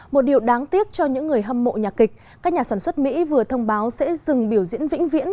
một điều đáng tiếc cho những người hâm mộ nhạc kịch các nhà sản xuất mỹ vừa thông báo sẽ dừng biểu diễn vĩnh viễn